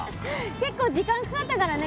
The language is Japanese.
結構時間かかったからね